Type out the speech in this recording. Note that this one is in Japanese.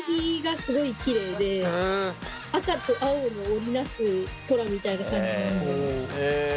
赤と青の織り成す空みたいな感じなんです